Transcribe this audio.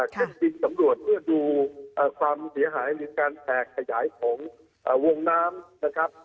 เช่นบินสำรวจเพื่อดูความเสียหายหรือการแตกขยายของวงน้ำนะครับ